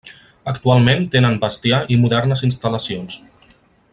Actualment tenen bestiar i modernes instal·lacions.